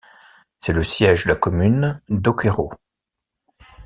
C'est le siège de la Commune d'Öckerö.